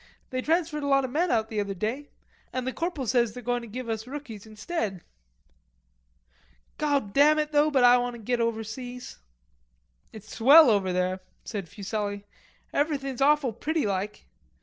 They transferred a lot of men out the other day, an' the corporal says they're going to give us rookies instead." "Goddam it, though, but Ah want to git overseas." "It's swell over there," said Fuselli, "everything's awful pretty like.